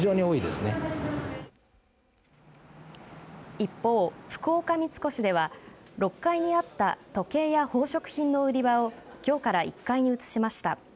一方、福岡三越では６階にあった時計や宝飾品の売り場をきょうから１階に移しました。